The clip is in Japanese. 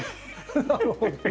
なるほどな。